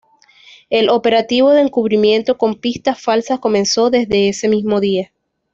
El operativo de encubrimiento con pistas falsas comenzó desde ese mismo día.